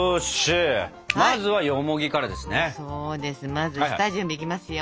まず下準備いきますよ。